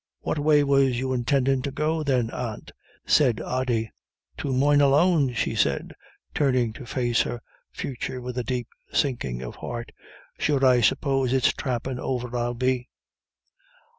"What way was you intindin' to go, then, aunt?" said Ody. "To Moynalone?" she said, turning to face her future with a deep sinking of heart. "Sure, I suppose it's trampin' over I'll be."